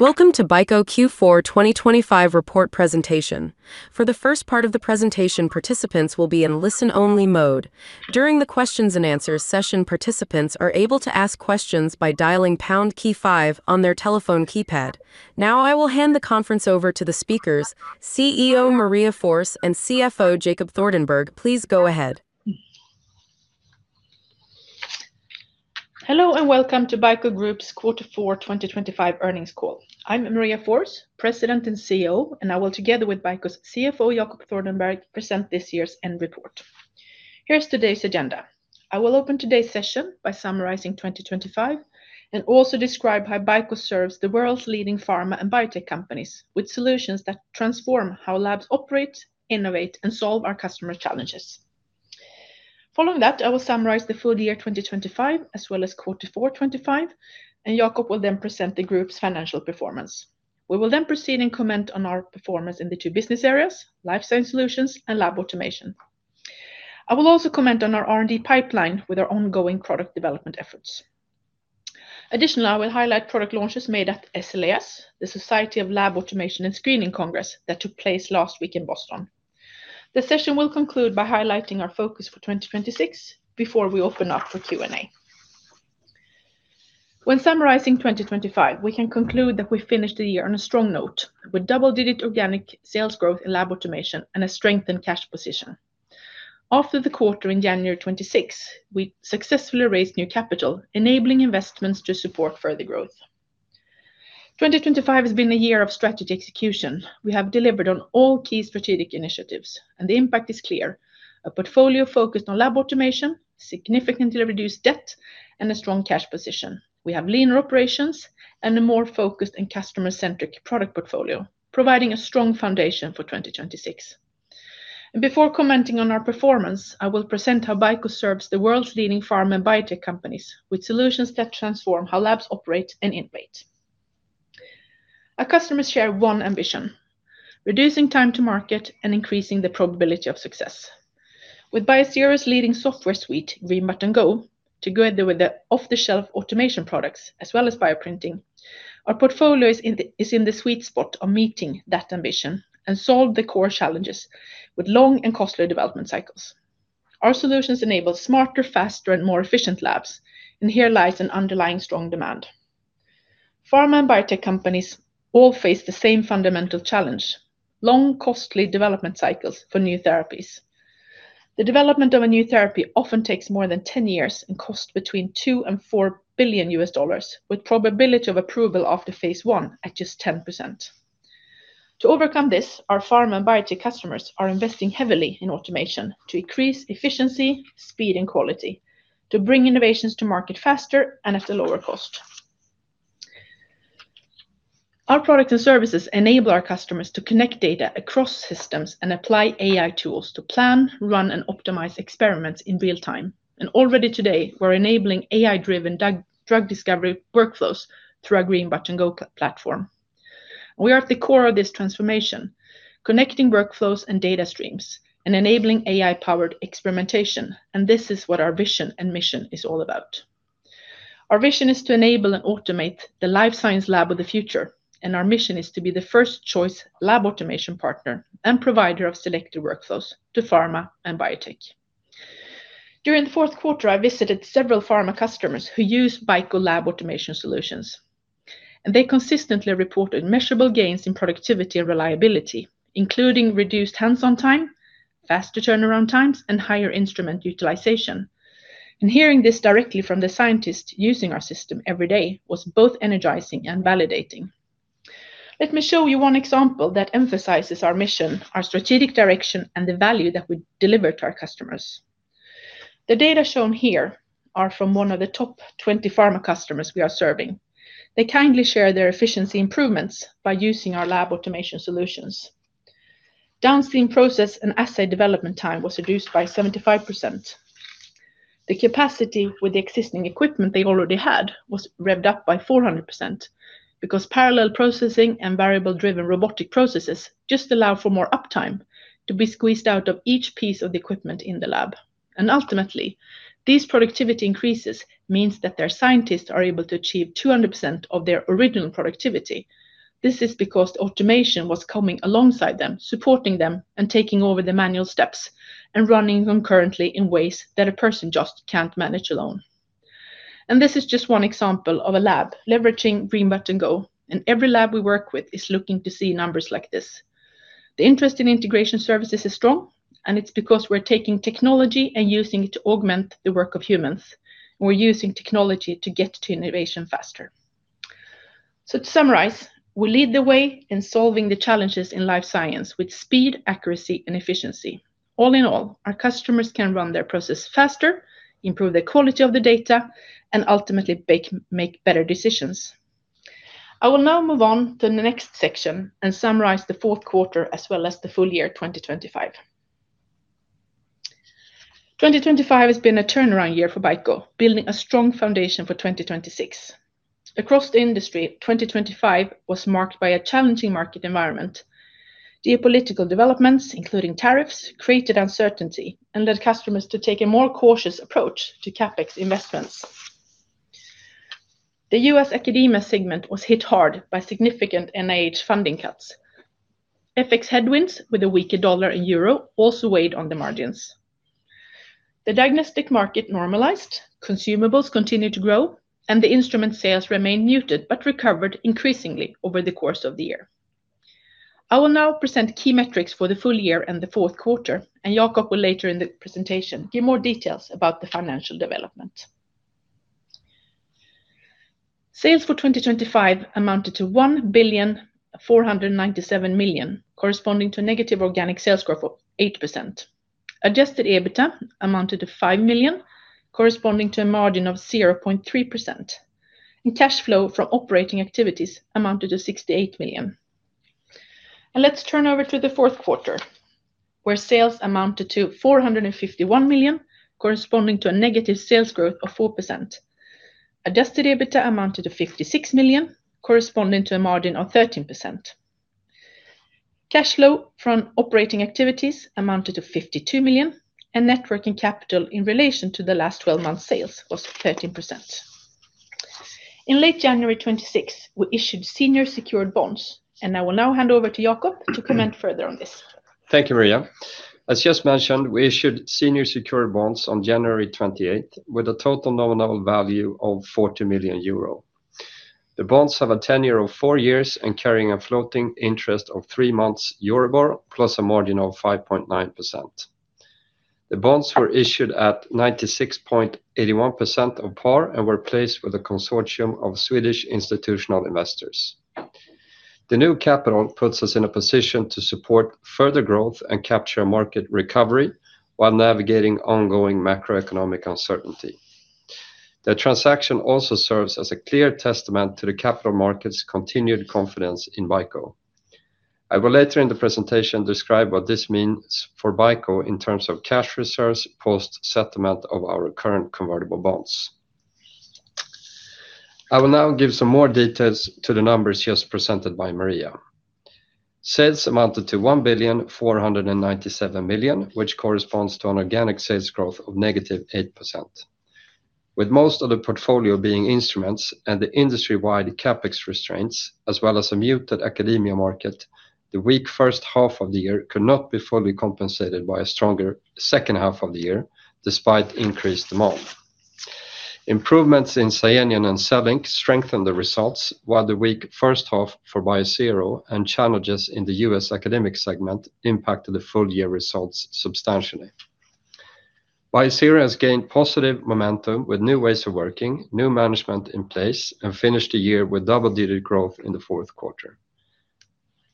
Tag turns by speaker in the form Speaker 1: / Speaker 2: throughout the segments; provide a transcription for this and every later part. Speaker 1: Welcome to BICO Q4 2025 report presentation. For the first part of the presentation, participants will be in listen-only mode. During the questions and answers session, participants are able to ask questions by dialing pound key five on their telephone keypad. Now, I will hand the conference over to the speakers, CEO Maria Forss, and CFO Jacob Thordenberg. Please go ahead.
Speaker 2: Hello, and welcome to BICO Group's Q4 2025 earnings call. I'm Maria Forss, President and CEO, and I will, together with BICO's CFO, Jacob Thordenberg, present this year's end report. Here's today's agenda. I will open today's session by summarizing 2025 and also describe how BICO serves the world's leading pharma and biotech companies with solutions that transform how labs operate, innovate, and solve our customer challenges. Following that, I will summarize the full year 2025, as well as Q4 2025, and Jacob will then present the group's financial performance. We will then proceed and comment on our performance in the two business areas, Life Science Solutions and Lab Automation. I will also comment on our R&D pipeline with our ongoing product development efforts. Additionally, I will highlight product launches made at SLAS, the Society for Laboratory Automation and Screening Congress, that took place last week in Boston. The session will conclude by highlighting our focus for 2026 before we open up for Q&A. When summarizing 2025, we can conclude that we finished the year on a strong note with double-digit organic sales growth in Lab Automation and a strengthened cash position. After the quarter in January 2026, we successfully raised new capital, enabling investments to support further growth. 2025 has been a year of strategy execution. We have delivered on all key strategic initiatives, and the impact is clear. A portfolio focused on Lab Automation, significantly reduced debt, and a strong cash position. We have leaner operations and a more focused and customer-centric product portfolio, providing a strong foundation for 2026. Before commenting on our performance, I will present how BICO serves the world's leading pharma and biotech companies with solutions that transform how labs operate and innovate. Our customers share one ambition, reducing time to market and increasing the probability of success. With Biosero's leading software suite, Green Button Go, together with the off-the-shelf automation products as well as bioprinting, our portfolio is in the sweet spot of meeting that ambition and solve the core challenges with long and costly development cycles. Our solutions enable smarter, faster, and more efficient labs, and here lies an underlying strong demand. Pharma and biotech companies all face the same fundamental challenge, long, costly development cycles for new therapies. The development of a new therapy often takes more than 10 years and costs between $2 billion-$4 billion, with probability of approval after phase I at just 10%. To overcome this, our pharma and biotech customers are investing heavily in automation to increase efficiency, speed, and quality, to bring innovations to market faster and at a lower cost. Our products and services enable our customers to connect data across systems and apply AI tools to plan, run, and optimize experiments in real time. Already today, we're enabling AI-driven drug discovery workflows through our Green Button Go platform. We are at the core of this transformation, connecting workflows and data streams and enabling AI-powered experimentation, and this is what our vision and mission is all about. Our vision is to enable and automate the life science lab of the future, and our mission is to be the first-choice Lab Automation partner and provider of selective workflows to pharma and biotech. During the fourth quarter, I visited several pharma customers who use BICO Lab Automation solutions, and they consistently reported measurable gains in productivity and reliability, including reduced hands-on time, faster turnaround times, and higher instrument utilization. Hearing this directly from the scientists using our system every day was both energizing and validating. Let me show you one example that emphasizes our mission, our strategic direction, and the value that we deliver to our customers. The data shown here are from one of the top 20 pharma customers we are serving. They kindly share their efficiency improvements by using our Lab Automation solutions. Downstream process and assay development time was reduced by 75%. The capacity with the existing equipment they already had was revved up by 400% because parallel processing and variable-driven robotic processes just allow for more uptime to be squeezed out of each piece of the equipment in the lab. Ultimately, these productivity increases means that their scientists are able to achieve 200% of their original productivity. This is because automation was coming alongside them, supporting them, and taking over the manual steps and running concurrently in ways that a person just can't manage alone. This is just one example of a lab leveraging Green Button Go, and every lab we work with is looking to see numbers like this. The interest in integration services is strong, and it's because we're taking technology and using it to augment the work of humans. We're using technology to get to innovation faster. So to summarize, we lead the way in solving the challenges in life science with speed, accuracy, and efficiency. All in all, our customers can run their process faster, improve the quality of the data, and ultimately bake, make better decisions. I will now move on to the next section and summarize the fourth quarter, as well as the full year 2025. 2025 has been a turnaround year for BICO, building a strong foundation for 2026. Across the industry, 2025 was marked by a challenging market environment. Geopolitical developments, including tariffs, created uncertainty and led customers to take a more cautious approach to CapEx investments. The U.S. Academia segment was hit hard by significant NIH funding cuts. FX headwinds with a weaker U.S. dollar and euro also weighed on the margins. The diagnostic market normalized, consumables continued to grow, and the instrument sales remained muted, but recovered increasingly over the course of the year. I will now present key metrics for the full year and the fourth quarter, and Jacob will later in the presentation give more details about the financial development. Sales for 2025 amounted to 1,497 million, corresponding to negative organic sales growth of 8%. Adjusted EBITDA amounted to 5 million, corresponding to a margin of 0.3%, and cash flow from operating activities amounted to 68 million. And let's turn over to the fourth quarter, where sales amounted to 451 million, corresponding to a negative sales growth of 4%. Adjusted EBITDA amounted to 56 million, corresponding to a margin of 13%. Cash flow from operating activities amounted to 52 million, and net working capital in relation to the last 12 months' sales was 13%. In late January 2026, we issued senior secured bonds, and I will now hand over to Jacob to comment further on this.
Speaker 3: Thank you, Maria. As just mentioned, we issued senior secured bonds on January 28 with a total nominal value of 40 million euro. The bonds have a tenor of four years and carry a floating interest of three months Euribor, plus a margin of 5.9%. The bonds were issued at 96.81% of par and were placed with a consortium of Swedish institutional investors. The new capital puts us in a position to support further growth and capture market recovery while navigating ongoing macroeconomic uncertainty. The transaction also serves as a clear testament to the capital market's continued confidence in BICO. I will later in the presentation describe what this means for BICO in terms of cash reserves, post settlement of our current convertible bonds. I will now give some more details to the numbers just presented by Maria. Sales amounted to 1,497 million, which corresponds to an organic sales growth of -8%. With most of the portfolio being instruments and the industry-wide CapEx restraints, as well as a muted Academia market, the weak first half of the year could not be fully compensated by a stronger second half of the year, despite increased demand. Improvements in SCIENION and CELLINK strengthened the results, while the weak first half for Biosero and challenges in the U.S. academic segment impacted the full year results substantially. Biosero has gained positive momentum with new ways of working, new management in place, and finished the year with double-digit growth in the fourth quarter.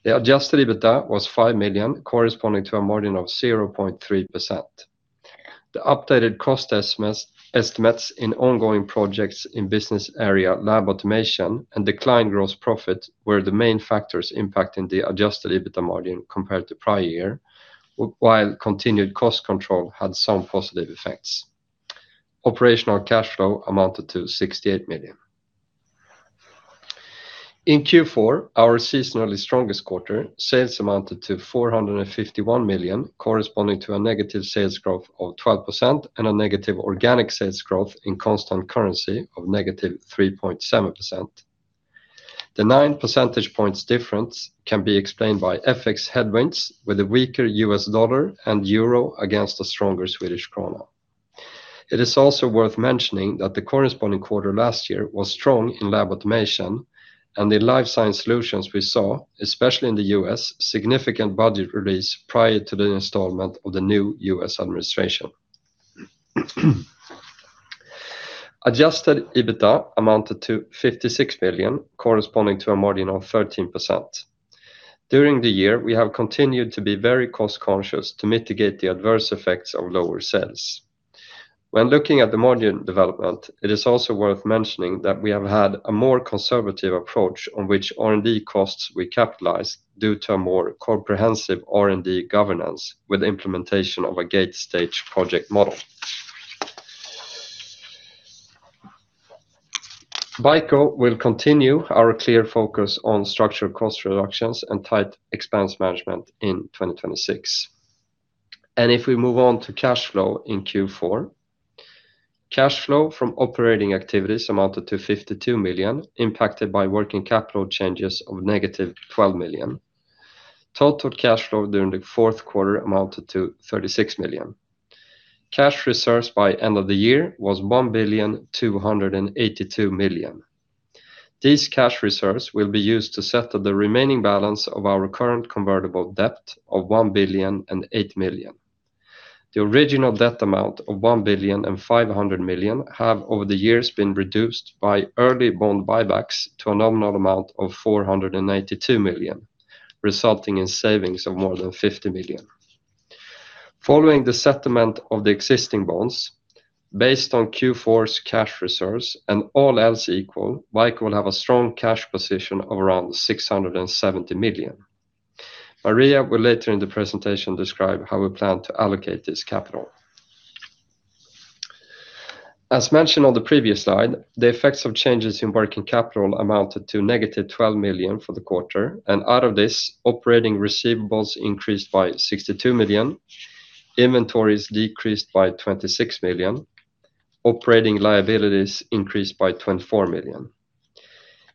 Speaker 3: The Adjusted EBITDA was 5 million, corresponding to a margin of 0.3%. The updated cost estimates, estimates in ongoing projects in business area, Lab Automation, and declined gross profit were the main factors impacting the adjusted EBITDA margin compared to prior year, while continued cost control had some positive effects. Operational cash flow amounted to 68 million. In Q4, our seasonally strongest quarter, sales amounted to 451 million, corresponding to a negative sales growth of 12% and a negative organic sales growth in constant currency of -3.7%. The 9 percentage points difference can be explained by FX headwinds, with a weaker US dollar and euro against a stronger Swedish krona. It is also worth mentioning that the corresponding quarter last year was strong in Lab Automation, and the Life Science Solutions we saw, especially in the US, significant budget release prior to the installment of the new US administration. Adjusted EBITDA amounted to 56 million, corresponding to a margin of 13%. During the year, we have continued to be very cost-conscious to mitigate the adverse effects of lower sales. When looking at the margin development, it is also worth mentioning that we have had a more conservative approach on which R&D costs we capitalize due to a more comprehensive R&D governance with implementation of a stage gate model. BICO will continue our clear focus on structural cost reductions and tight expense management in 2026. And if we move on to cash flow in Q4, cash flow from operating activities amounted to 52 million, impacted by working capital changes of -12 million. Total cash flow during the fourth quarter amounted to 36 million. Cash reserves by end of the year was 1,282 million. These cash reserves will be used to settle the remaining balance of our current convertible debt of 1 billion and 8 million. The original debt amount of 1 billion and 500 million have, over the years, been reduced by early bond buybacks to a nominal amount of 492 million, resulting in savings of more than 50 million. Following the settlement of the existing bonds, based on Q4's cash reserves and all else equal, BICO will have a strong cash position of around 670 million. Maria will later in the presentation describe how we plan to allocate this capital. As mentioned on the previous slide, the effects of changes in working capital amounted to negative 12 million for the quarter, and out of this, operating receivables increased by 62 million, inventories decreased by 26 million, operating liabilities increased by 24 million.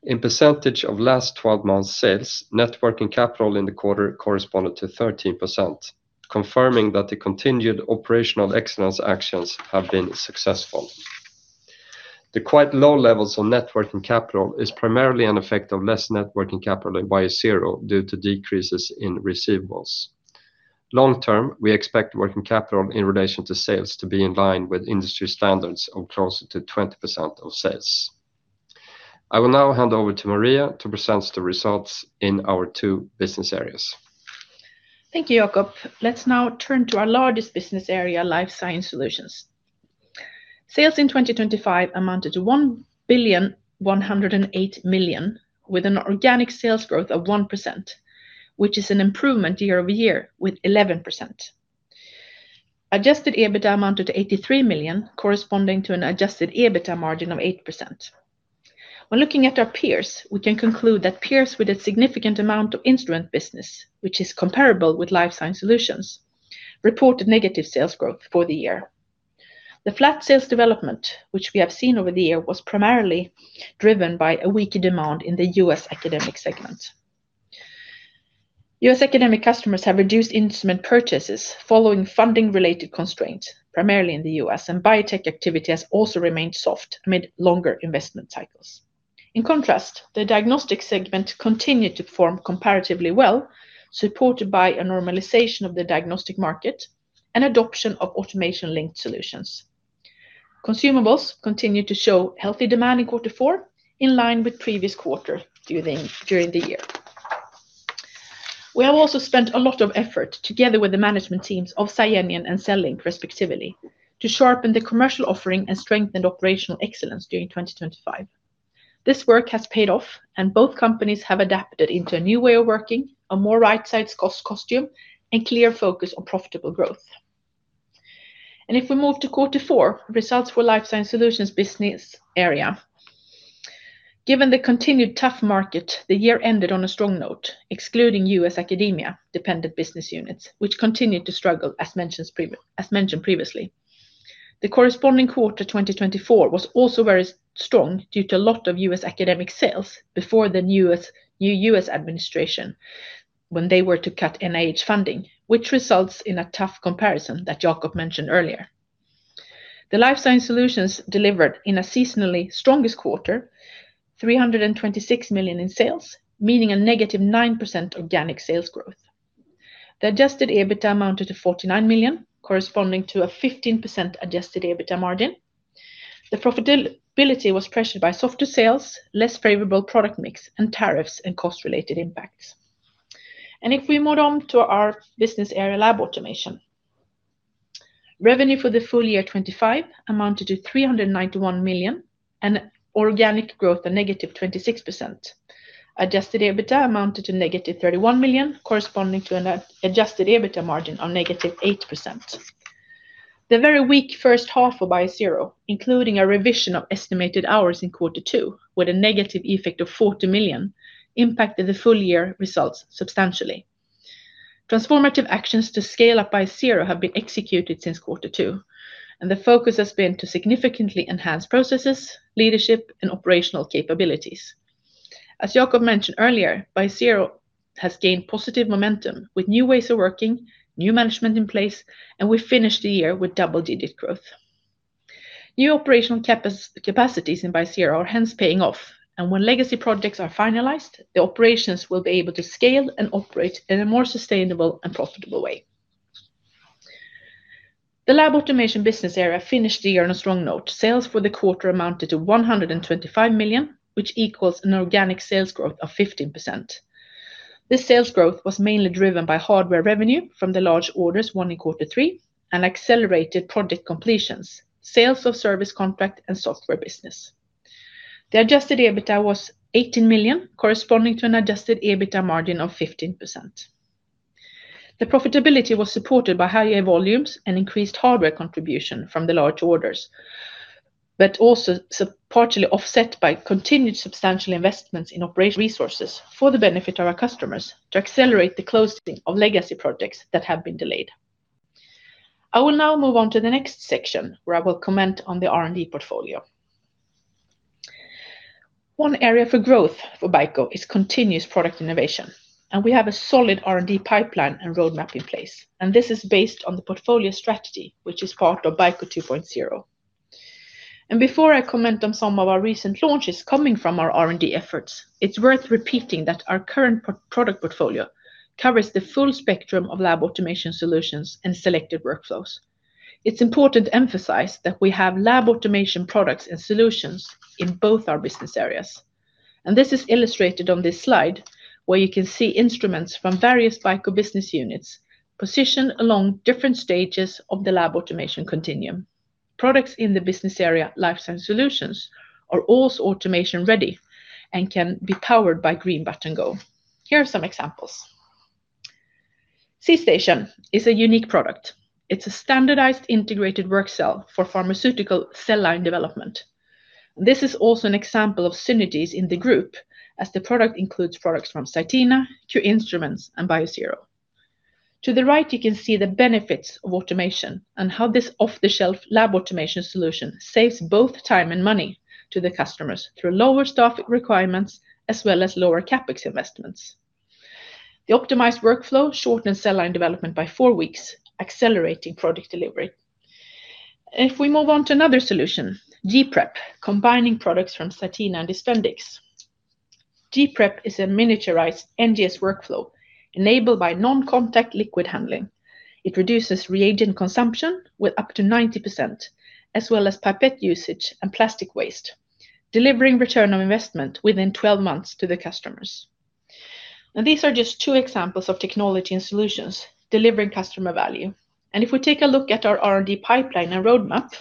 Speaker 3: In percentage of last 12 months sales, net working capital in the quarter corresponded to 13%, confirming that the continued operational excellence actions have been successful. The quite low levels of net working capital is primarily an effect of less net working capital in Biosero due to decreases in receivables. Long term, we expect working capital in relation to sales to be in line with industry standards of closer to 20% of sales. I will now hand over to Maria to present the results in our two business areas.
Speaker 2: Thank you, Jacob. Let's now turn to our largest business area, Life Science Solutions. Sales in 2025 amounted to 1,108 million, with an organic sales growth of 1%, which is an improvement year-over-year with 11%. Adjusted EBITDA amounted to 83 million, corresponding to an adjusted EBITDA margin of 8%. When looking at our peers, we can conclude that peers with a significant amount of instrument business, which is comparable with Life Science Solutions, reported negative sales growth for the year. The flat sales development, which we have seen over the year, was primarily driven by a weaker demand in the U.S. Academic segment. U.S. Academic customers have reduced instrument purchases following funding-related constraints, primarily in the U.S., and biotech activity has also remained soft amid longer investment cycles. In contrast, the diagnostic segment continued to perform comparatively well, supported by a normalization of the diagnostic market and adoption of automation-linked solutions. Consumables continued to show healthy demand in quarter four, in line with previous quarter during the year. We have also spent a lot of effort, together with the management teams of SCIENION and CELLINK, respectively, to sharpen the commercial offering and strengthen operational excellence during 2025. This work has paid off, and both companies have adapted into a new way of working, a more right-sized cost structure, and clear focus on profitable growth. And if we move to quarter four, results for Life Science Solutions business area. Given the continued tough market, the year ended on a strong note, excluding U.S. Academia-dependent business units, which continued to struggle as mentioned previously. The corresponding quarter, 2024, was also very strong due to a lot of U.S. academic sales before the new U.S., new U.S. administration, when they were to cut NIH funding, which results in a tough comparison that Jacob mentioned earlier. The Life Science Solutions delivered in a seasonally strongest quarter, 326 million in sales, meaning a -9% organic sales growth. The Adjusted EBITDA amounted to 49 million, corresponding to a 15% adjusted EBITDA margin. The profitability was pressured by softer sales, less favorable product mix, and tariffs and cost-related impacts. And if we move on to our business area, Lab Automation. Revenue for the full year 2025 amounted to 391 million and organic growth of -26%. Adjusted EBITDA amounted to -31 million, corresponding to an adjusted EBITDA margin of -8%. The very weak first half of Biosero, including a revision of estimated hours in quarter two, with a negative effect of 40 million, impacted the full year results substantially. Transformative actions to scale up Biosero have been executed since quarter two, and the focus has been to significantly enhance processes, leadership, and operational capabilities. As Jacob mentioned earlier, Biosero has gained positive momentum with new ways of working, new management in place, and we finished the year with double-digit growth. New operational capacities in Biosero are hence paying off, and when legacy projects are finalized, the operations will be able to scale and operate in a more sustainable and profitable way. The Lab Automation business area finished the year on a strong note. Sales for the quarter amounted to 125 million, which equals an organic sales growth of 15%. This sales growth was mainly driven by hardware revenue from the large orders won in quarter three and accelerated project completions, sales of service contract, and software business. The Adjusted EBITDA was 18 million, corresponding to an adjusted EBITDA margin of 15%. The profitability was supported by higher volumes and increased hardware contribution from the large orders, but also partially offset by continued substantial investments in operation resources for the benefit of our customers to accelerate the closing of legacy projects that have been delayed. I will now move on to the next section, where I will comment on the R&D portfolio. One area for growth for BICO is continuous product innovation, and we have a solid R&D pipeline and roadmap in place, and this is based on the portfolio strategy, which is part of BICO 2.0. Before I comment on some of our recent launches coming from our R&D efforts, it's worth repeating that our current product portfolio covers the full spectrum of Lab Automation solutions and selected workflows. It's important to emphasize that we have Lab Automation products and solutions in both our business areas, and this is illustrated on this slide, where you can see instruments from various BICO business units positioned along different stages of the Lab Automation continuum. Products in the business area, Life Science Solutions, are also automation-ready and can be powered by Green Button Go. Here are some examples. C.STATION is a unique product. It's a standardized, integrated work cell for pharmaceutical cell line development. This is also an example of synergies in the group, as the product includes products from CYTENA, QInstruments, and Biosero. To the right, you can see the benefits of automation and how this off-the-shelf Lab Automation solution saves both time and money to the customers through lower staff requirements, as well as lower CapEx investments. The optimized workflow shortens cell line development by four weeks, accelerating product delivery. If we move on to another solution, G.PREP, combining products from CYTENA and DISPENDIX. G.PREP is a miniaturized NGS workflow enabled by non-contact liquid handling. It reduces reagent consumption with up to 90%, as well as pipette usage and plastic waste, delivering return on investment within 12 months to the customers. These are just two examples of technology and solutions delivering customer value. If we take a look at our R&D pipeline and roadmap,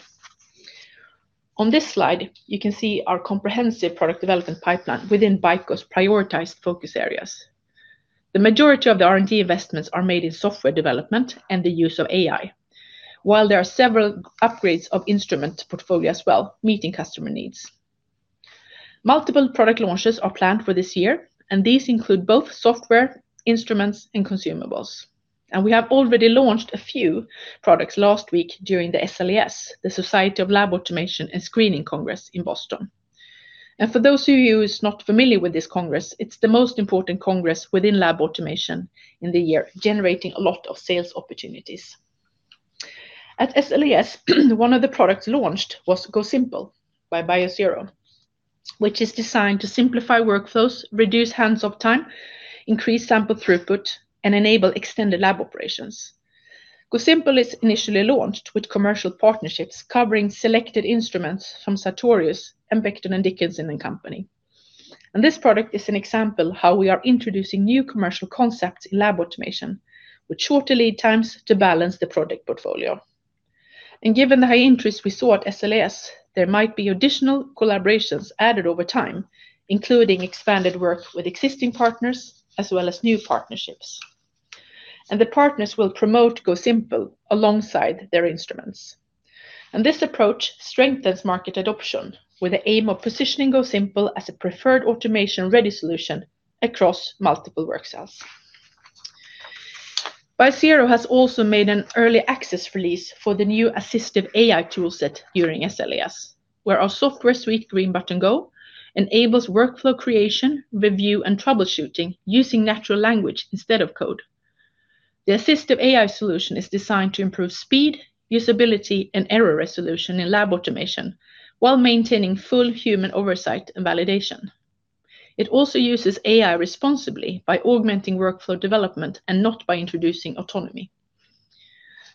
Speaker 2: on this slide, you can see our comprehensive product development pipeline within BICO's prioritized focus areas. The majority of the R&D investments are made in software development and the use of AI, while there are several upgrades of instrument portfolio as well, meeting customer needs. Multiple product launches are planned for this year, and these include both software, instruments, and consumables. We have already launched a few products last week during the SLAS, the Society for Laboratory Automation and Screening Congress in Boston. For those of you who is not familiar with this congress, it's the most important congress within Lab Automation in the year, generating a lot of sales opportunities. At SLAS, one of the products launched was GoSimple by Biosero, which is designed to simplify workflows, reduce hands-off time, increase sample throughput, and enable extended lab operations. GoSimple is initially launched with commercial partnerships, covering selected instruments from Sartorius and Becton, Dickinson and Company. This product is an example how we are introducing new commercial concepts in Lab Automation, with shorter lead times to balance the product portfolio. Given the high interest we saw at SLAS, there might be additional collaborations added over time, including expanded work with existing partners, as well as new partnerships. The partners will promote GoSimple alongside their instruments. This approach strengthens market adoption, with the aim of positioning GoSimple as a preferred automation-ready solution across multiple work cells. Biosero has also made an early access release for the new assistive AI toolset during SLAS, where our software suite, Green Button Go, enables workflow creation, review, and troubleshooting using natural language instead of code. The assistive AI solution is designed to improve speed, usability, and error resolution in Lab Automation while maintaining full human oversight and validation. It also uses AI responsibly by augmenting workflow development and not by introducing autonomy.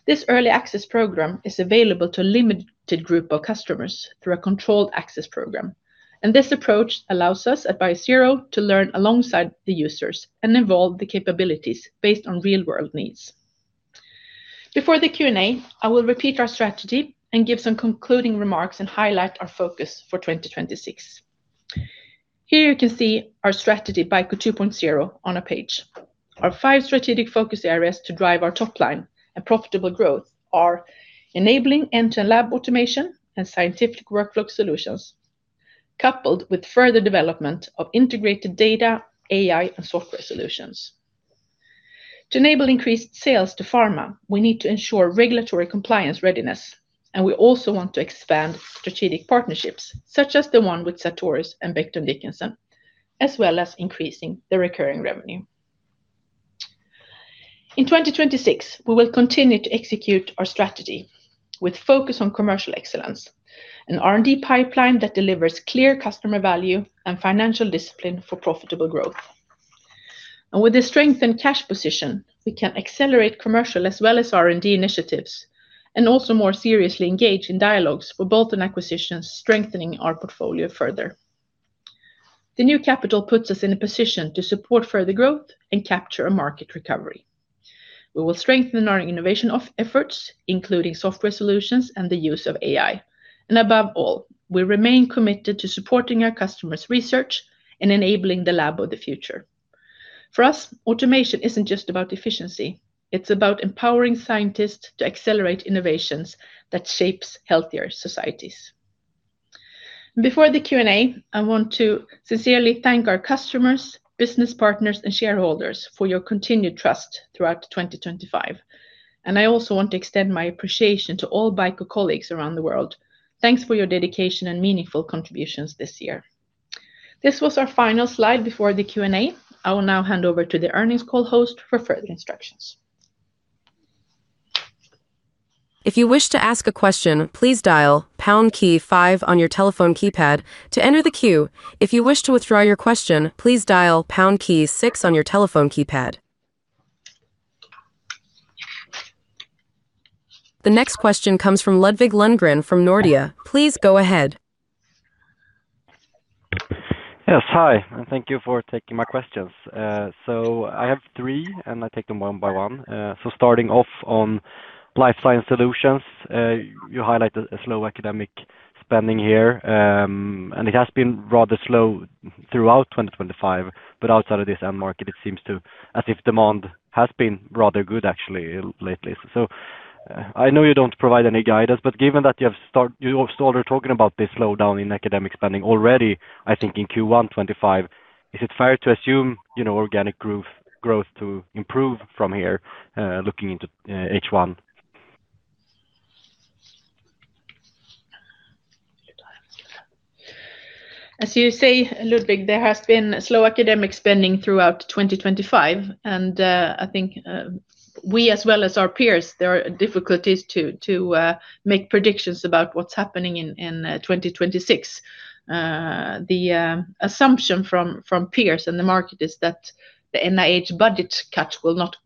Speaker 2: This early access program is available to a limited group of customers through a controlled access program, and this approach allows us at Biosero to learn alongside the users and evolve the capabilities based on real-world needs. Before the Q&A, I will repeat our strategy and give some concluding remarks and highlight our focus for 2026. Here you can see our strategy, BICO 2.0, on a page. Our five strategic focus areas to drive our top line and profitable growth are enabling end-to-end Lab Automation and scientific workflow solutions, coupled with further development of integrated data, AI, and software solutions. To enable increased sales to pharma, we need to ensure regulatory compliance readiness, and we also want to expand strategic partnerships, such as the one with Sartorius and Becton Dickinson, as well as increasing the recurring revenue. In 2026, we will continue to execute our strategy with focus on commercial excellence, an R&D pipeline that delivers clear customer value and financial discipline for profitable growth. With the strength and cash position, we can accelerate commercial as well as R&D initiatives, and also more seriously engage in dialogues for bolt-on acquisitions, strengthening our portfolio further. The new capital puts us in a position to support further growth and capture a market recovery. We will strengthen our innovation of efforts, including software solutions and the use of AI, and above all, we remain committed to supporting our customers' research and enabling the lab of the future. For us, automation isn't just about efficiency, it's about empowering scientists to accelerate innovations that shapes healthier societies. Before the Q&A, I want to sincerely thank our customers, business partners, and shareholders for your continued trust throughout 2025. I also want to extend my appreciation to all BICO colleagues around the world. Thanks for your dedication and meaningful contributions this year. This was our final slide before the Q&A. I will now hand over to the earnings call host for further instructions.
Speaker 1: If you wish to ask a question, please dial pound key five on your telephone keypad to enter the queue. If you wish to withdraw your question, please dial pound key six on your telephone keypad. The next question comes from Ludvig Lundgren from Nordea. Please go ahead.
Speaker 4: Yes, hi, and thank you for taking my questions. So I have three, and I take them one by one. So starting off on Life Science Solutions, you highlight a slow academic spending here, and it has been rather slow throughout 2025, but outside of this end market, it seems as if demand has been rather good actually lately. So I know you don't provide any guidance, but given that you are still talking about this slowdown in academic spending already, I think in Q1 2025, is it fair to assume, you know, organic growth to improve from here, looking into H1?
Speaker 2: As you say, Ludvig, there has been slow academic spending throughout 2025, and I think we as well as our peers, there are difficulties to make predictions about what's happening in 2026. The assumption from peers and the market is that the NIH budget cut will not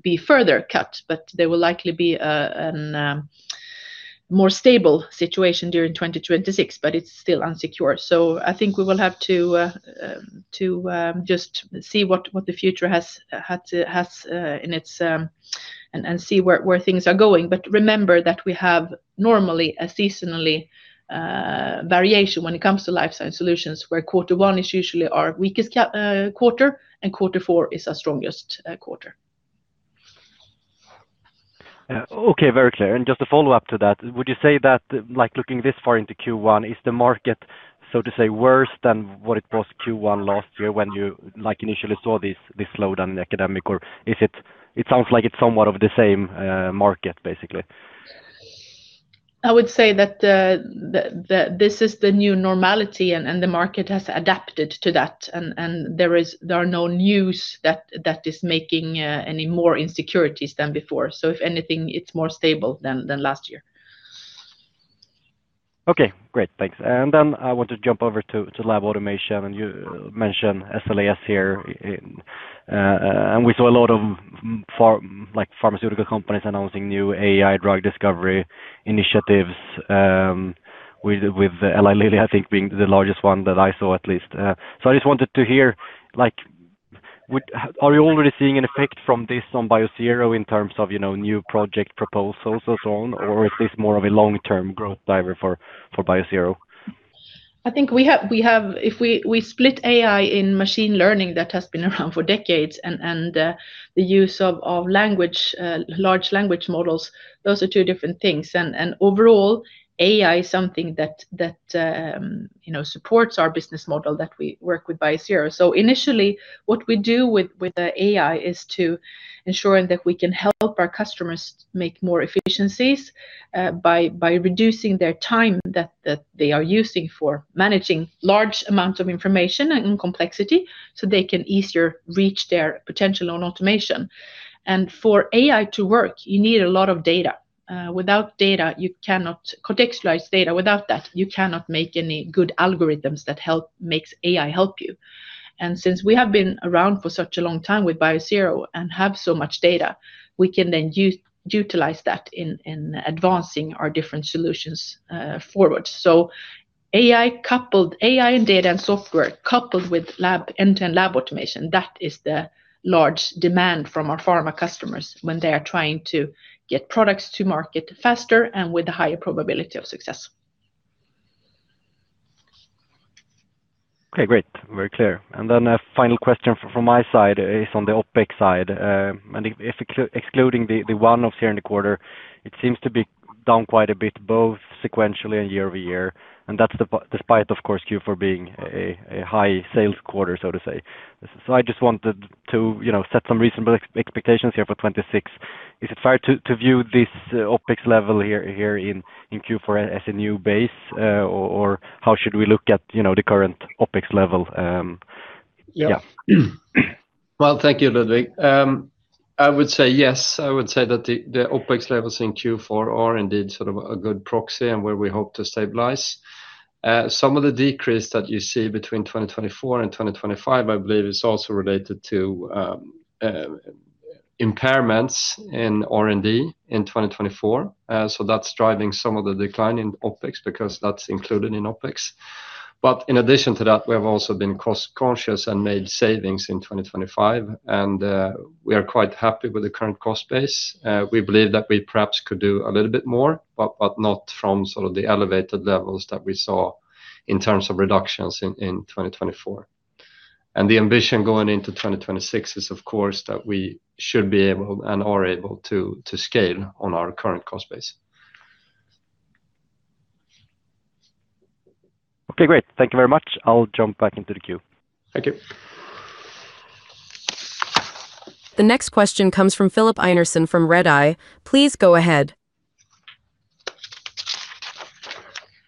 Speaker 2: be further cut, but there will likely be an more stable situation during 2026, but it's still uncertain. So I think we will have to just see what the future has in its and see where things are going. But remember that we have normally a seasonally variation when it comes to Life Science Solutions, where quarter one is usually our weakest quarter, and quarter four is our strongest quarter.
Speaker 4: Okay, very clear. And just a follow-up to that, would you say that, like, looking this far into Q1, is the market, so to say, worse than what it was Q1 last year when you, like, initially saw this, this slowdown in academic? Or is it? It sounds like it's somewhat of the same market, basically.
Speaker 2: I would say that this is the new normality and the market has adapted to that, and there are no news that is making any more insecurities than before. So if anything, it's more stable than last year.
Speaker 4: Okay, great. Thanks. And then I want to jump over to Lab Automation, and you mentioned SLAS here in, and we saw a lot of like pharmaceutical companies announcing new AI drug discovery initiatives, with Eli Lilly, I think, being the largest one that I saw at least. So I just wanted to hear, like, are you already seeing an effect from this on Biosero in terms of, you know, new project proposals and so on, or is this more of a long-term growth driver for Biosero?
Speaker 2: I think we have if we split AI in machine learning that has been around for decades and the use of language large language models, those are two different things. And overall, AI is something that you know supports our business model that we work with Biosero. So initially, what we do with the AI is to ensuring that we can help our customers make more efficiencies by reducing their time that they are using for managing large amounts of information and complexity, so they can easier reach their potential on automation. And for AI to work, you need a lot of data. Without data, you cannot contextualize data. Without that, you cannot make any good algorithms that help makes AI help you. Since we have been around for such a long time with Biosero and have so much data, we can then use, utilize that in, in advancing our different solutions forward. AI and data and software, coupled with end-to-end Lab Automation, that is the large demand from our pharma customers when they are trying to get products to market faster and with a higher probability of success.
Speaker 4: Okay, great. Very clear. A final question from my side is on the OpEx side. Excluding the one-offs here in the quarter, it seems to be down quite a bit, both sequentially and year-over-year, and that's despite, of course, Q4 being a high sales quarter, so to say. I just wanted to, you know, set some reasonable expectations here for 2026. Is it fair to view this OpEx level here in Q4 as a new base, or how should we look at, you know, the current OpEx level? Yeah.
Speaker 3: Well, thank you, Ludvig. I would say yes. I would say that the OpEx levels in Q4 are indeed sort of a good proxy and where we hope to stabilize. Some of the decrease that you see between 2024 and 2025, I believe, is also related to impairments in R&D in 2024. That's driving some of the decline in OpEx because that's included in OpEx. In addition to that, we have also been cost-conscious and made savings in 2025, and we are quite happy with the current cost base. We believe that we perhaps could do a little bit more, but not from sort of the elevated levels that we saw in terms of reductions in 2024. The ambition going into 2026 is, of course, that we should be able and are able to, to scale on our current cost base.
Speaker 4: Okay, great. Thank you very much. I'll jump back into the queue.
Speaker 3: Thank you.
Speaker 1: The next question comes from Filip Einarsson from Redeye. Please go ahead.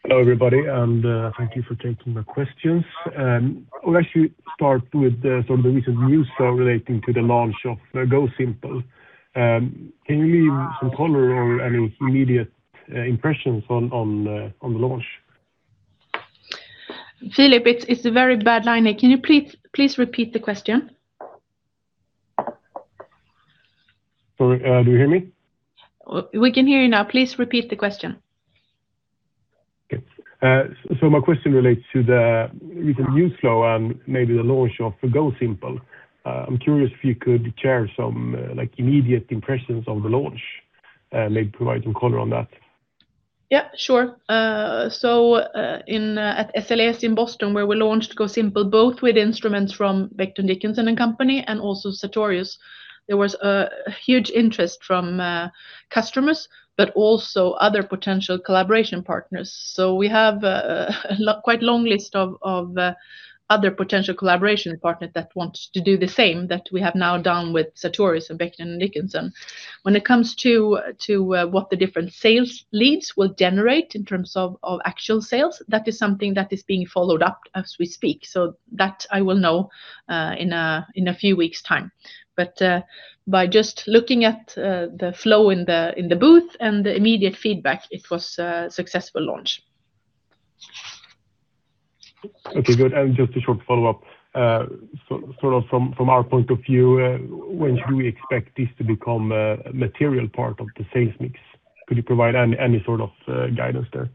Speaker 5: Hello, everybody, and thank you for taking the questions. I'll actually start with, sort of the recent news relating to the launch of GoSimple. Can you give me some color or any immediate impressions on the launch?
Speaker 2: Filip, it's, it's a very bad line. Can you please, please repeat the question?
Speaker 5: Sorry, do you hear me?
Speaker 2: We can hear you now. Please repeat the question.
Speaker 5: Okay. So my question relates to the recent news flow and maybe the launch of the GoSimple. I'm curious if you could share some, like, immediate impressions of the launch, maybe provide some color on that?
Speaker 2: Yeah, sure. So, in at SLAS in Boston, where we launched GoSimple, both with instruments from Becton, Dickinson and Company, and also Sartorius, there was a huge interest from customers, but also other potential collaboration partners. So we have a quite long list of other potential collaboration partners that want to do the same, that we have now done with Sartorius and Becton Dickinson. When it comes to what the different sales leads will generate in terms of actual sales, that is something that is being followed up as we speak. So that I will know in a few weeks time. But by just looking at the flow in the booth and the immediate feedback, it was a successful launch.
Speaker 5: Okay, good. Just a short follow-up. So sort of from our point of view, when should we expect this to become a material part of the sales mix? Could you provide any sort of guidance there?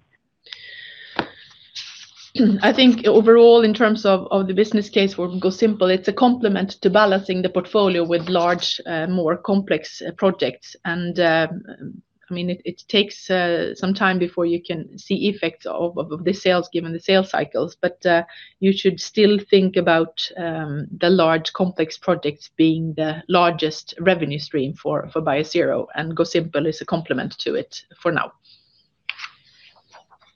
Speaker 2: I think overall, in terms of the business case for GoSimple, it's a complement to balancing the portfolio with large, more complex projects. I mean, it takes some time before you can see effects of the sales, given the sales cycles. You should still think about the large, complex projects being the largest revenue stream for Biosero, and GoSimple is a complement to it for now.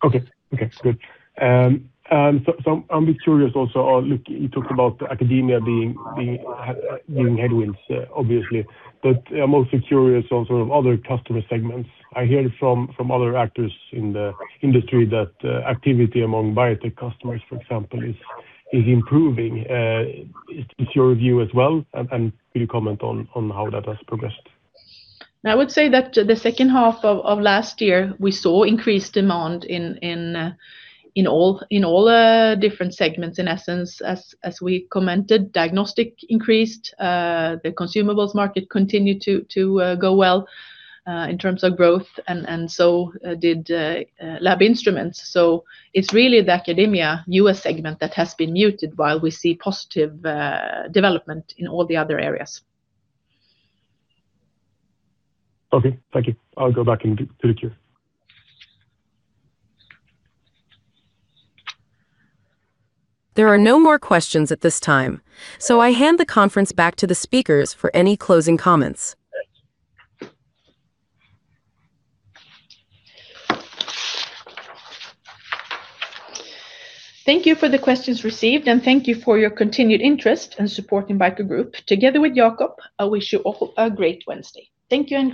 Speaker 5: Okay. Okay, good. And so, so I'm just curious also. Look, you talked about Academia being headwinds, obviously, but I'm also curious on sort of other customer segments. I hear from other actors in the industry that activity among biotech customers, for example, is improving. Is your view as well? And will you comment on how that has progressed?
Speaker 2: I would say that the second half of last year, we saw increased demand in all different segments. In essence, as we commented, diagnostic increased, the consumables market continued to go well in terms of growth, and so did lab instruments. So it's really the Academia U.S. segment that has been muted while we see positive development in all the other areas.
Speaker 5: Okay, thank you. I'll go back to the queue.
Speaker 1: There are no more questions at this time, so I hand the conference back to the speakers for any closing comments.
Speaker 2: Thank you for the questions received, and thank you for your continued interest and support in BICO Group. Together with Jacob, I wish you all a great Wednesday. Thank you, and goodbye.